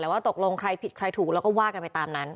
แต่ว่าตกลงใครผิดใครถูกแล้วก็ว่ากันไปตามนั้น